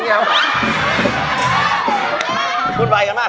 เฮอร์บนี่อะไร